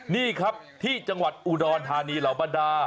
นี่ครับที่จังหวัดอุดรธานีเหล่าบรรดา